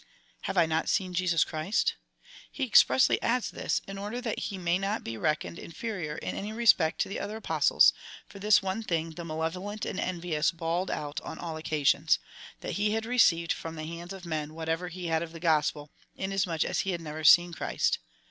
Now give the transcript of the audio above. Have I not seen Jesus Christ ? He expressly adds this, in order that he may not be reckoned inferior in any respect to the other Apostles, for this one thing the malevolent and envious bawled out on all occasions — that he had received from the hands of men whatever he had of the gospel, inas much as he had never seen Christ.